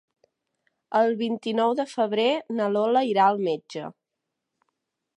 El vint-i-nou de febrer na Lola irà al metge.